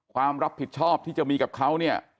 ความรับผิดชอบที่จะมีกับเขาเนี่ย